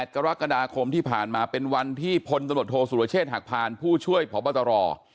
กรกฎาคมที่ผ่านมาเป็นวันที่พลตำรวจโทษสุรเชษฐหักพานผู้ช่วยพบตร